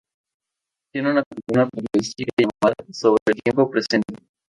Tiene una columna periodística llamada Sobre el Tiempo Presente.